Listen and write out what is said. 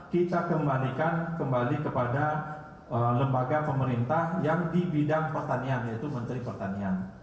kita kembalikan kembali kepada lembaga pemerintah yang di bidang pertanian yaitu menteri pertanian